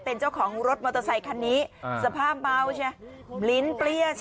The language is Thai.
เป็นเจ้าของรถมอเตอร์ไซคันนี้สภาพเมาใช่ไหมลิ้นเปรี้ยใช่ไหม